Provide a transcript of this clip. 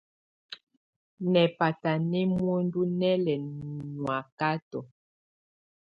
Nɛ́ batá nɛ́ muǝndú nɛ́ lɛ nyɔ̀ákatɔ.